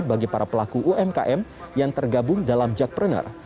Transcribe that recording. bagi para pelaku umkm yang tergabung dalam jack pruner